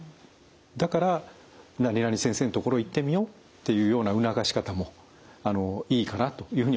「だから○○先生の所に行ってみよう」というような促し方もいいかなというふうに思います。